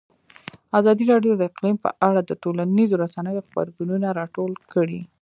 ازادي راډیو د اقلیم په اړه د ټولنیزو رسنیو غبرګونونه راټول کړي.